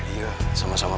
iya terima kasih pak